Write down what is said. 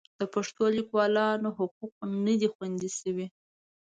د پښتو لیکوالانو حقوق نه دي خوندي شوي.